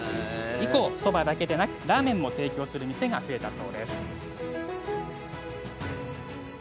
以降、そばだけでなくラーメンも提供する店が増えたそうです。